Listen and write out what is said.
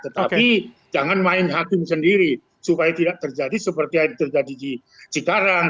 tetapi jangan main hakim sendiri supaya tidak terjadi seperti yang terjadi di cikarang